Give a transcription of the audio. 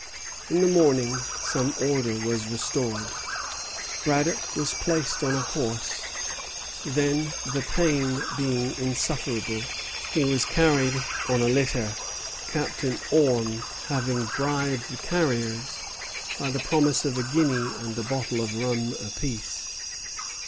In the morning some order was restored. Braddock was placed on a horse; then, the pain being insufferable, he was carried on a litter, Captain Orme having bribed the carriers by the promise of a guinea and a bottle of rum apiece.